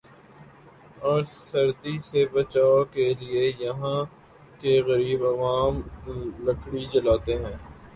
اور سردی سے بچائو کے لئے یہاں کے غریب عوام لکڑی جلاتے ہیں ۔